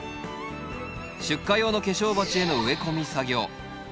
出荷用の化粧鉢への植え込み作業。